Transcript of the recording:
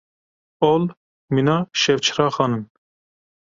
Ol mîna şevçiraxan in.